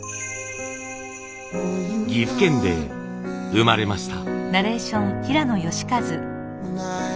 岐阜県で生まれました。